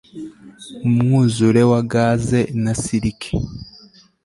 Mu mwuzure wa gaze na silike